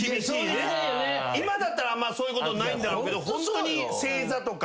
今だったらあんまそういうことないんだろうけどホントに正座とか。